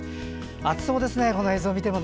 暑そうですね、この映像を見ても。